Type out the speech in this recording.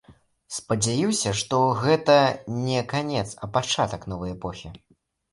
Спадзяюся, што гэта не канец, а пачатак новай эпохі.